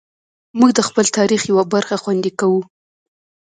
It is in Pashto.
موږ د خپل تاریخ یوه برخه خوندي کوو.